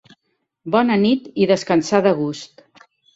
Bona nit i descansar de gust.